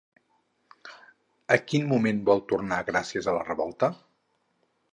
A quin moment vol tornar gràcies a la revolta?